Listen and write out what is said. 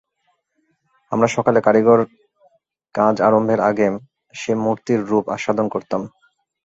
আমরা সকালে কারিগর কাজ আরম্ভের আগে সেই মূর্তির রূপ আস্বাদন করতাম।